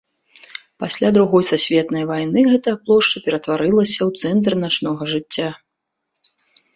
Пасля другой сусветнай вайны гэтая плошча ператварылася ў цэнтр начнога жыцця.